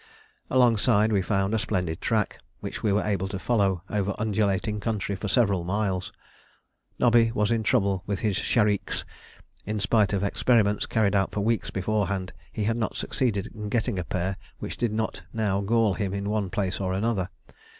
Alongside we found a splendid track, which we were able to follow over undulating country for several miles. Nobby was in trouble with his "chariqs"; in spite of experiments carried out for weeks beforehand he had not succeeded in getting a pair which did not now gall him in one place or another.